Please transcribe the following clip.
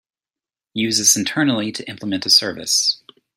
Use this internally to implement a service.